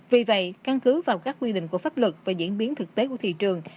vì vậy căn cứ vào các quy định của pháp luật và diễn biến thực tế của thị trường